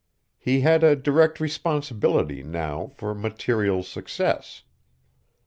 He had a direct responsibility, now, for material success.